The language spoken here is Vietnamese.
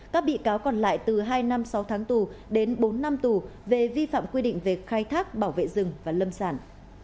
các bị cáo còn lại từ hai năm sáu tháng tù đến bốn năm tù về vi phạm quy định về khai thác bảo vệ rừng và lâm sản